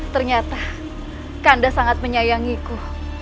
ternyata kanda sangat menyayangiku